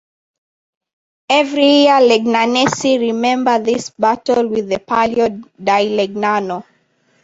Every year Legnanesi remember this battle with the Palio di Legnano.